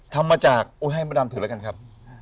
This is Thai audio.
ทำมาจากโอ้ยให้ประดับถือละกันครับ